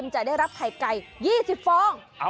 จะได้รับไข่ไก่๒๐ฟอง